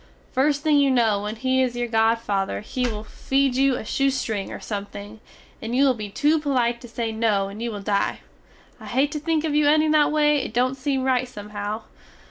Fust thing you no when he is your godfather he will feed you a shoestring or something, and you will be two polite to say no and you will dye. I hate to think of you ending that way it dont seem rite somehow.